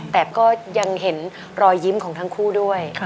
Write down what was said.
แต่ก็ยังเห็นรอยยิ้มของทั้งคู่ด้วย